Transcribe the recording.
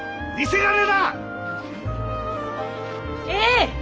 ええ。